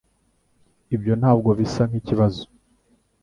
Ibyo ntabwo bisa nkikibazo.